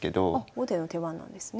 後手の手番なんですね。